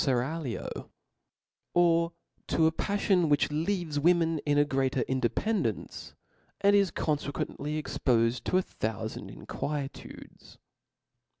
/eraglio ; or to a pafllon which leaves women in a greater independence, and is confequently ex pofed to a thoufand inquietudes.